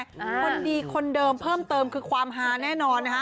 คนดีคนเดิมเพิ่มเติมคือความฮาแน่นอนนะฮะ